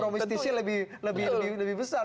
karena tingkat kompromis tsi lebih besar